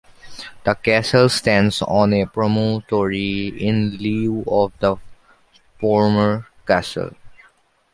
The Castell stands on a promontory, in lieu of the former castle.